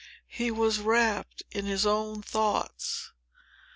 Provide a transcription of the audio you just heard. He was wrapt in his own thoughts.